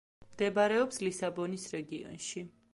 მდებარეობს ლისაბონის რეგიონში.